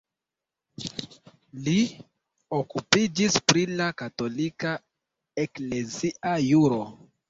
Li okupiĝis pri la katolika eklezia juro.